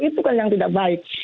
itu kan yang tidak baik